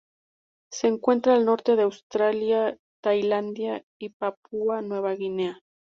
Se encuentra al norte de Australia, Tailandia y Papúa Nueva Guinea.